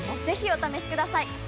ぜひお試しください！